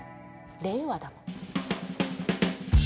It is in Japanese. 令和だもん。